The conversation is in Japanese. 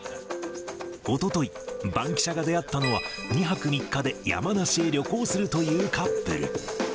おととい、バンキシャが出会ったのは、２泊３日で山梨へ旅行するというカップル。